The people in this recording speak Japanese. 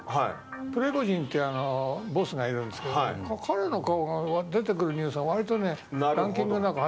プリゴジンというボスがいるんですけど彼が出てくるニュースは割と、ランキングの中に